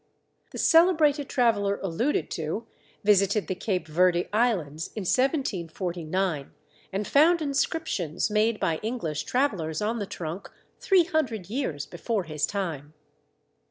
The celebrated traveller alluded to visited the Cape Verde islands in 1749 and found inscriptions made by English travellers on the trunk 300 years before his time.